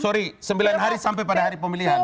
sorry sembilan hari sampai pada hari pemilihan